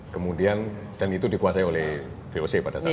kemudian dan itu dikuasai oleh voc pada saat itu